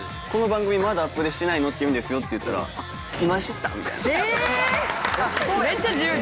「この番組『まだアプデしてないの？』っていうんですよ」って言ったら「今知った！」みたいな。